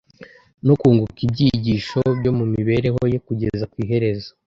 no kunguka ibyigisho byo mu mibereho ye kugeza ku iherezo;